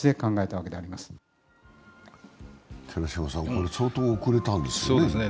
これ、相当遅れたんですね。